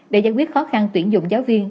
để giải quyết khó khăn tuyển dụng giáo viên